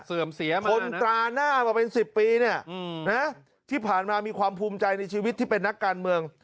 เสื่อมเสียมานะคนตราหน้าว่าเป็นสิบปีเนี้ยอืมนะที่ผ่านมามีความภูมิใจในชีวิตที่เป็นนักการเมือง